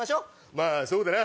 まぁそうだな！